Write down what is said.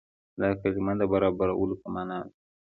دا کلمه د برابرولو په معنا ده.